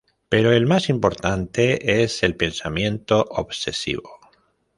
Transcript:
Pero el más importante es el pensamiento obsesivo.